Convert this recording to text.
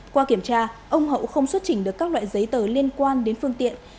qua kiểm tra ông hậu không xuất trình được các loại giấy tờ liên quan đến phương tiện